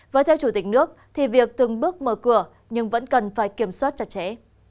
với theo chủ tịch nước thì việc từng bước mở cửa nhưng vẫn cần phải kiểm soát chặt chẽ